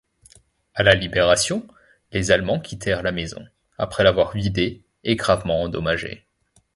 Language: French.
À la libération, les Allemands quittèrent la maison, après l'avoir vidée et gravement endommagée.